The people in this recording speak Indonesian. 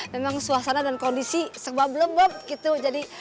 memang suasana dan kondisi serba belebep gitu jadi